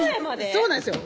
そうなんですよ